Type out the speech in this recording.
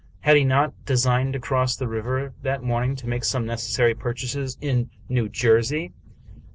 Had he not designed to cross the river that morn ing to make some necessary purchases in New Jersey?